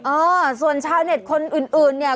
เออส่วนชาวเน็ตคนอื่นอื่นเนี่ย